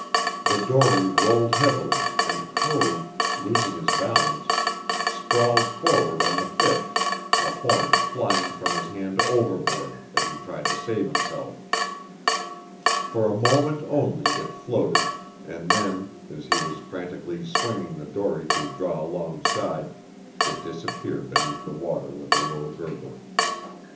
The dory rolled heavily, and Code, losing his balance, sprawled forward on the fish, the horn flying from his hand overboard as he tried to save himself. For a moment only it floated; and then, as he was frantically swinging the dory to draw alongside, it disappeared beneath the water with a low gurgle.